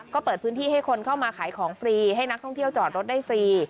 ก็เปิดพื้นที่ให้คนเข้ามาขายของฟรีให้นักท่องเที่ยวจอดรถได้ฟรี